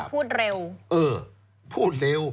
พูดเร็วเออพูดเร็ว